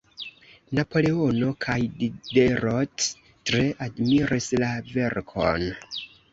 Napoleono kaj Diderot tre admiris la verkon.